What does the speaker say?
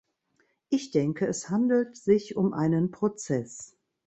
Ich denke, es handelt sich um einen Prozess.